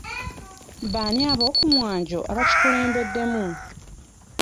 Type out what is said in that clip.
Baani ab'okumwanjo abakikulembeddemu?